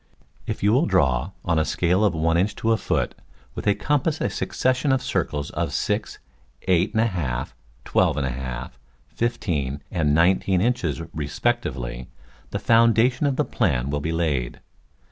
If you will draw, on a scale of one inch to a foot with a compass a succession of circles of six, eight and a half, twelve and a half, fifteen and nineteen inches, respectively, the founda tion of the plan will be laid.